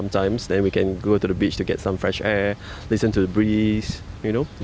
kita bisa pergi ke pantai untuk mendapatkan udara segar dengar suara